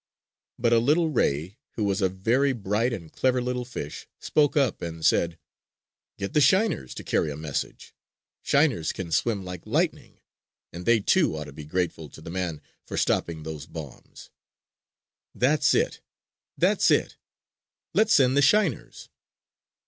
But a little ray, who was a very bright and clever little fish, spoke up and said: "Get the shiners to carry a message! Shiners can swim like lightning; and they too ought to be grateful to the man for stopping those bombs!" "That's it! That's it! Let's send the shiners!"